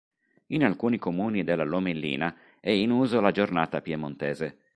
In alcuni comuni della Lomellina è in uso la giornata piemontese.